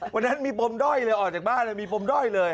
วันนั้นมีปมด้อยเลยออกจากบ้านเลยมีปมด้อยเลย